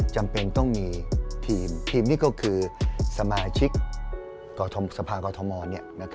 จำเป็นต้องมีทีมนี่ก็คือสมาชิกสภากอทม